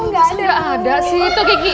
gak ada sih tuh kiki